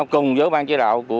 cùng với bàn chế đạo